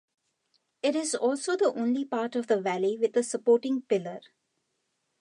It is also the only part of the Valley with a supporting pillar.